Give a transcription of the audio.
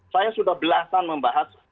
saya sudah belasan membahas